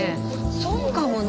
そうかもね。